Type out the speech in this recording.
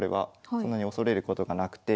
そんなに恐れることがなくて。